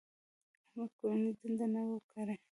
احمد کورنۍ دنده نه وه کړې.